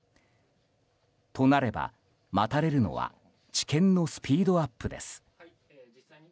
となれば、待たれるのは治験のスピードアップです。